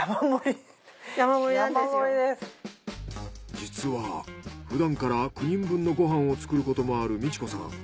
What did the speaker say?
実はふだんから９人分のご飯を作ることもある道子さん。